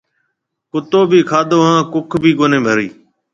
ڪُتو ڀِي کاڌو ھان ڪُک ڀِي ڪونِي ڀروڻِي